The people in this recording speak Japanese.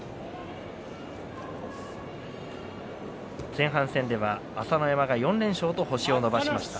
前半戦では朝乃山が４連勝と星を伸ばしました。